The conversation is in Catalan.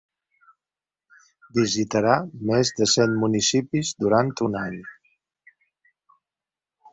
Visitarà més de cent municipis durant un any.